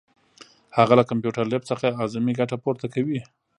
هغه له کمپیوټر لیب څخه اعظمي ګټه پورته کوي.